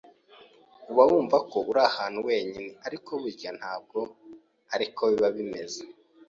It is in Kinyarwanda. uba wumvako uri ahantu wenyine ariko burya ntabwo ariko biba bimeze.